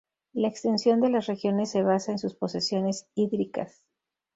La extensión de las regiones se basa en sus posesiones hídricas.